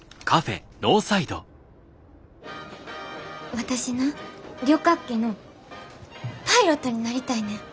私な旅客機のパイロットになりたいねん。